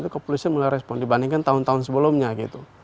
kepolisian mulai respon dibandingkan tahun tahun sebelumnya gitu